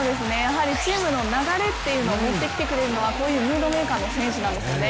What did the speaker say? チームの流れっていうものを持ってきてくれるのは、こういうムードメーカーの選手なんですよね。